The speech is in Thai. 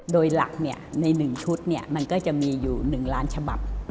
โดยหลักใน๑ชุดมันก็จะมีอยู่๑ล้านฉบับ